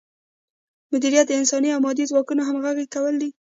مدیریت د انساني او مادي ځواکونو همغږي کول دي.